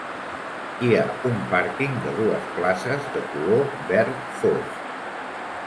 Hi ha un pàrquing de dues places, de color verd fosc.